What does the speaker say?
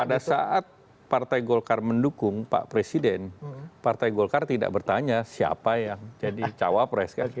pada saat partai golkar mendukung pak presiden partai golkar tidak bertanya siapa yang jadi cawapres